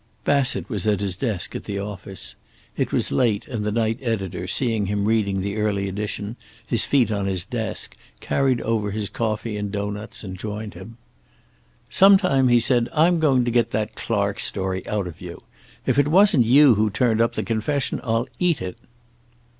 Bassett was at his desk in the office. It was late, and the night editor, seeing him reading the early edition, his feet on his desk, carried over his coffee and doughnuts and joined him. "Sometime," he said, "I'm going to get that Clark story out of you. If it wasn't you who turned up the confession, I'll eat it."